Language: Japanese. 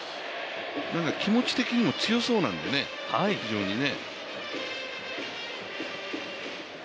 気持ち的にも強そうなんでね、非常にね。